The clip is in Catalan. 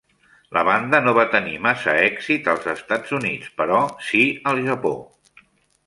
La banda no va tenir massa èxit als Estats Units, però sí al Japó.